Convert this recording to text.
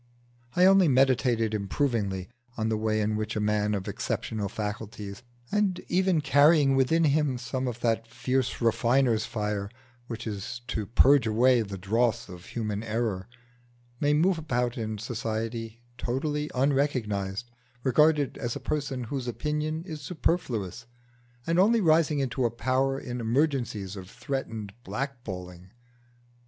I only meditated improvingly on the way in which a man of exceptional faculties, and even carrying within him some of that fierce refiner's fire which is to purge away the dross of human error, may move about in society totally unrecognised, regarded as a person whose opinion is superfluous, and only rising into a power in emergencies of threatened black balling.